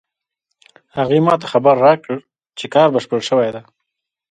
هغې ما ته خبر راکړ چې کار بشپړ شوی ده